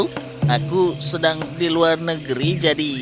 aku sedang di luar negeri jadi